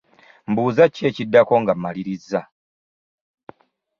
Mbuuza oba ki ekiddako nga malirizza.